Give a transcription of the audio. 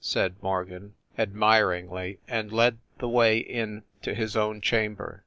said Morgan, admir ingly, and led the way in to his own chamber.